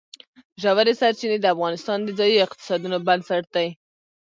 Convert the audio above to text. ژورې سرچینې د افغانستان د ځایي اقتصادونو بنسټ دی.